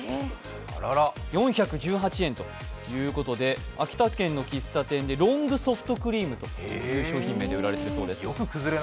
４１８円ということで、秋田県の喫茶店でロングソフトクリームという商品名で売られているそうですよ。